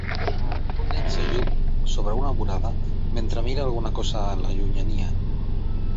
Un nen s'ajup sobre una vorada mentre mira alguna cosa en la llunyania.